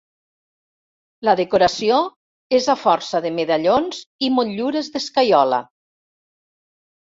La decoració és a força de medallons i motlures d'escaiola.